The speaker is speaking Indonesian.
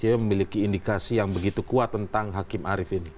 dia memiliki indikasi yang begitu kuat tentang hakim arief ini